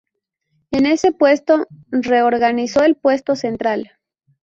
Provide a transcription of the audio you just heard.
En ese puesto reorganizó el Puesto Central.